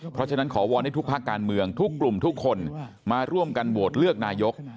เพราะฉะนั้นขอวอนให้ทุกภาคการเมืองทุกกลุ่มทุกคนมาร่วมกันโหวตเลือกนายก